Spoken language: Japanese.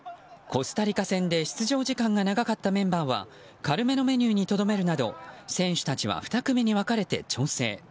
コスタリカ戦で出場時間が長かったメンバーは軽めのメニューにとどめるなど選手たちは２組に分かれて調整。